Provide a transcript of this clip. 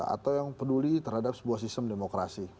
atau yang peduli terhadap sebuah sistem demokrasi